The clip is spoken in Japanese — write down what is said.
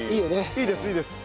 いいですいいです。